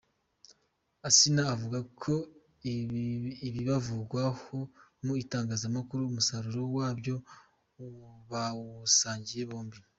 Asinah avuga ko ibibavugwaho mu itangazamakuru umusaruro wabyo bawusangiye bombi.